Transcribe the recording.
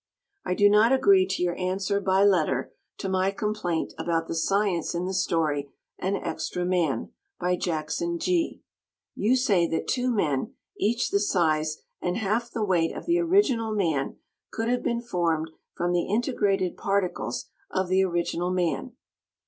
I do not agree to your answer, by letter, to my complaint about the science in the story, "An Extra Man," by Jackson Gee. You say that two men, each the size and half the weight of the original man could have been formed from the integrated particles of the original man.